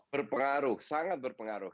berpengaruh sangat berpengaruh